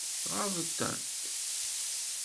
Tɣaḍeḍ-tent?